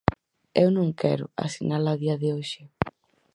Eu non quero asinala a día de hoxe.